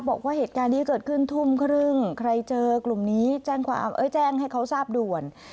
บอกว่าเหตุการณ์นี้เกิดขึ้นทุ่มครึ่งใครเจอกลุ่มนี้แจ้งความเอ้ยแจ้งให้เขาทราบด่วน